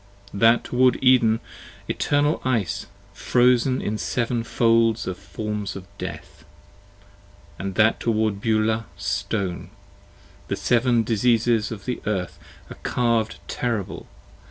15 That toward Eden, eternal ice, frozen in seven folds Of forms of death: and that toward Beulah, stone: The seven diseases of the earth are carved terrible.